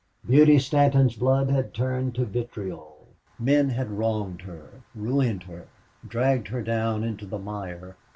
Beauty Stanton's blood had turned to vitriol. Men had wronged her, ruined her, dragged her down into the mire.